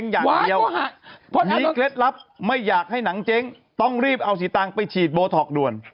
อย่างเดียวเพราะมีเคล็ดลับไม่อยากให้หนังเจ๊งต้องรีบเอาสีตังค์ไปฉีดโบท็อกด่วน